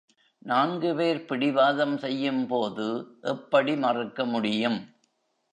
நான்கு பேர் பிடிவாதம் செய்யும்போது எப்படி மறுக்க முடியும்?